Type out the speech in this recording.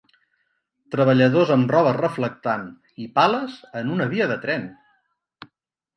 Treballadors amb roba reflectant i pales en una via de tren.